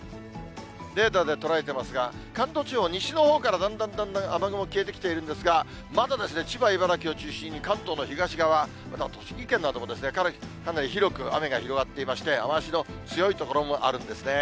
レーダーで捉えてますが、関東地方、西のほうからだんだんだんだん雨雲消えてきているんですが、まだですね、千葉、茨城を中心に、関東の東側、栃木県なども、かなり広く雨が広がっていまして、雨足の強い所もあるんですね。